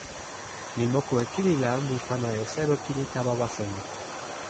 mi moku e kili la mi pana e selo kili tawa waso mi.